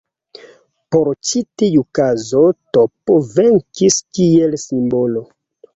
Por ĉi tiu kazo tP venkis kiel simbolo.